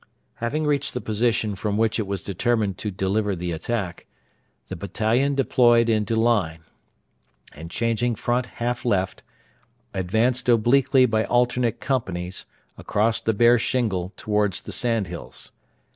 Having reached the position from which it was determined to deliver the attack, the battalion deployed into line, and, changing front half left, advanced obliquely by alternate companies across the bare shingle towards the sandhills.